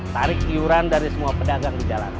tarik iuran dari semua pedagang di jalan